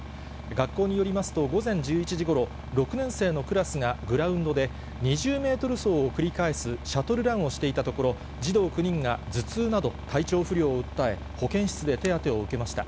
学校によりますと、午前１１時ごろ、６年生のクラスがグラウンドで２０メートル走を繰り返すシャトルランをしていたところ、児童９人が頭痛など体調不良を訴え、保健室で手当てを受けました。